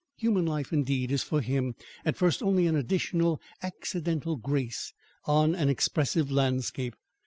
Human life, indeed, is for him, at first, only an additional, accidental grace on an expressive landscape.